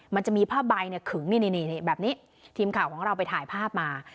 มันจะมีผ้าใบขึงนี่แบบนี้ทีมข่าวของเราไปถ่ายภาพมา